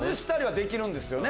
できるんですよね。